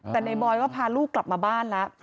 แต่ในบอยก็พาลูกกลับมาบ้านแล้ว